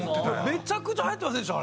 めちゃくちゃ流行ってませんでした？